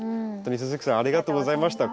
鈴木さんありがとうございました。